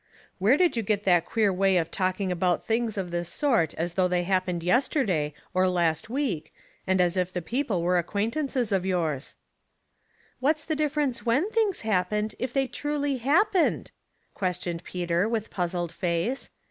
" Where did you get that queer way of talking about things of this sort as though they happened yesterday, or last week, and as if the people were acquaintances of yours ?"'* What's the difference when things happened if they truly happened? "" questioned Peter, with puzzled face.